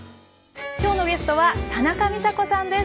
今日のゲストは田中美佐子さんです。